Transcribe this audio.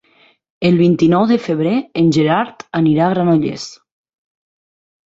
El vint-i-nou de febrer en Gerard anirà a Granollers.